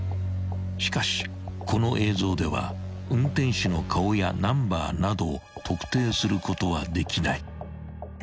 ［しかしこの映像では運転手の顔やナンバーなど特定することはできない］